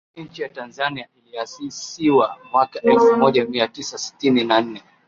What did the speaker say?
Nchi ya Tanzania iliasisiwa mwaka elfu moja mia tisa sitini na nne